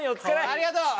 ありがとう。